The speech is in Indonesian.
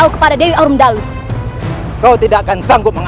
haripu terima kasih telah menonton